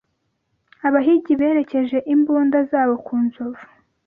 Abahigi berekeje imbunda zabo ku nzovu.